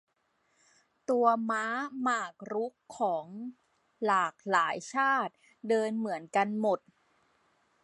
ตัวม้าหมากรุกของหมากหลายชาติ เดินเหมือนกันหมด